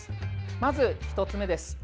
まず１つ目です。